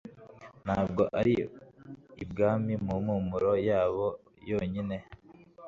Ntabwo ari ibwami mu mpumuro yabo yonyine